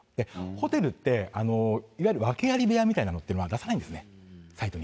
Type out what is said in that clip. ホテルって、いわゆる訳あり部屋みたいのは出さないんですね、最近は。